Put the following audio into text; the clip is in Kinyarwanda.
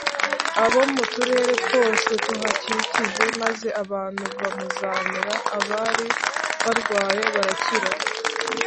abo mu turere twose tuhakikije maze abantu bamuzanira abari barwaye barakira